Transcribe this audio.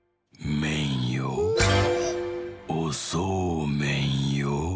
おそうめんよ』」。